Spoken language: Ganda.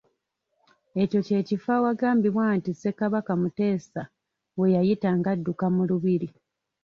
Ekyo kye kifo awagambibwa nti Ssekabaka Muteesa we yayita ng’adduka mu lubiri.